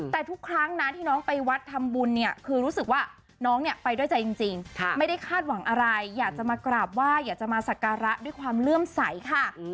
แต่ทุกครั้งนะที่น้องไปวัดทำบุญเนี่ยคือรู้สึกว่าน้องเนี่ยไปด้วยใจจริงไม่ได้คาดหวังอะไรอยากจะมากราบไหว้อยากจะมาสักการะด้วยความเลื่อมใสค่ะ